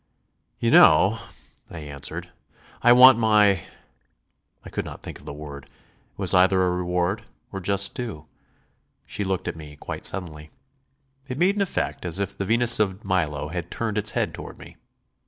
"You know," I answered, "I want my...." I could not think of the word. It was either a reward or a just due. She looked at me, quite suddenly. It made an effect as if the Venus of Milo had turned its head toward me.